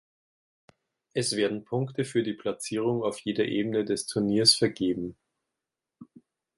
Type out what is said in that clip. Es werden Punkte für die Platzierung auf jeder Ebene des Turniers vergeben.